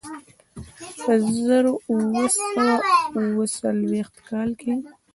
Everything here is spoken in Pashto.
په زر اووه سوه اوه څلوېښت کال کې.